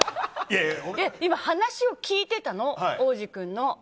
今、話を聞いてたの、央士君の。